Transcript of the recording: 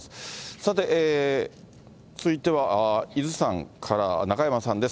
さて、続いては伊豆山から、中山さんです。